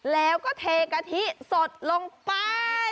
แล้วก็เทกะทิสดลงไป